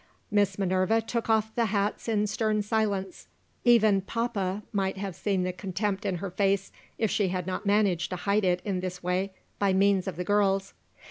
Miss Minerva took off the hats in stern silence. Even "Papa" might have seen the contempt in her face, if she had not managed to hide it in this way, by means of the girls.